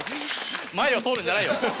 前を通るんじゃないよ。